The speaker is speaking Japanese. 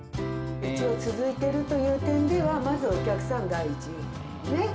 続いているという点では、まずお客さん第一、ね？